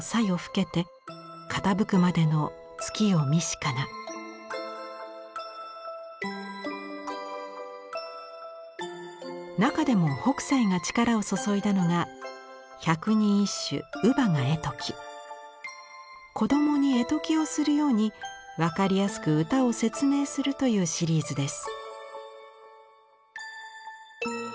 歌は中でも北斎が力を注いだのが子供に絵解きをするように分かりやすく歌を説明するというシリーズです。